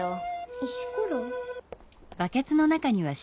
石ころ？